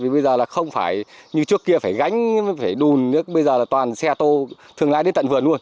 bây giờ là không phải như trước kia phải gánh phải đùn bây giờ là toàn xe tô thường lại đến tận vườn luôn